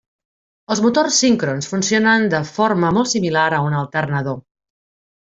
Els motors síncrons funcionen de forma molt similar a un alternador.